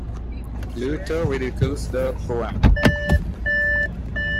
Luthor ridicules the poem.